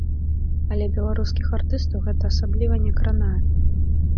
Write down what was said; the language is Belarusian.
Але беларускіх артыстаў гэта асабліва не кранае.